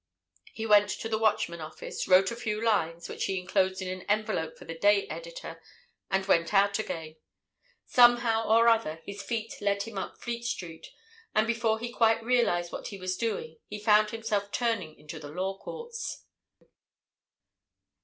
He went to the Watchman office, wrote a few lines, which he enclosed in an envelope for the day editor, and went out again. Somehow or other, his feet led him up Fleet Street, and before he quite realized what he was doing he found himself turning into the Law Courts.